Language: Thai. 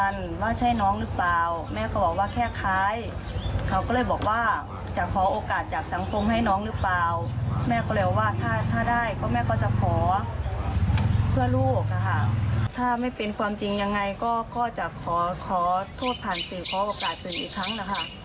ส่วนประเด็นที่สุด